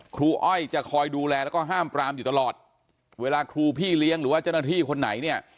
อ้อยจะคอยดูแลแล้วก็ห้ามปรามอยู่ตลอดเวลาครูพี่เลี้ยงหรือว่าเจ้าหน้าที่คนไหนเนี่ย